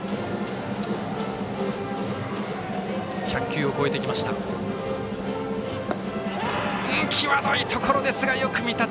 １００球を超えてきた森谷。